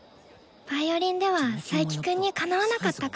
ヴァイオリンでは佐伯くんにかなわなかったから。